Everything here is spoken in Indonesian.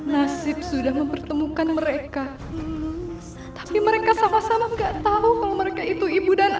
nasib sudah mempertemukan mereka tapi mereka sama sama enggak tahu kalau mereka itu ibu dan